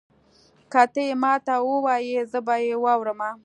که تۀ یې ماته ووایي زه به یې واورمه.